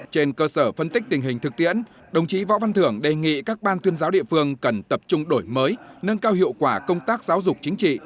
trên cơ sở phân tích tình hình thực tiễn đồng chí võ văn thưởng đề nghị các ban tuyên giáo địa phương cần tập trung đổi mới nâng cao hiệu quả công tác giáo dục chính trị